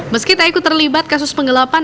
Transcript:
meski taiku terlibat kasus penggelapan